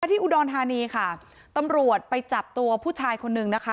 ที่อุดรธานีค่ะตำรวจไปจับตัวผู้ชายคนนึงนะคะ